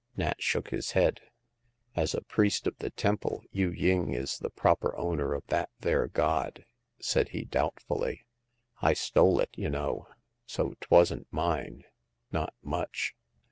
Nat shook his head. " As a priest of the tem ple, Yu ying is the proper owner of that there god," said he, doubtfully. '* I stole it, y' know, so 'twasn't mine ; not much.